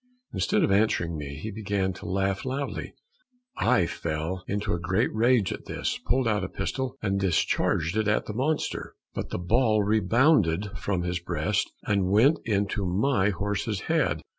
Instead of answering me, he began to laugh loudly. I fell into a great rage at this, pulled out a pistol and discharged it at the monster; but the ball rebounded from his breast and went into my horse's head.